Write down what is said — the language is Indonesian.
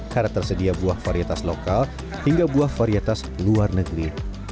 karena tersedia buah varietas lokal hingga buah varietas luar negeri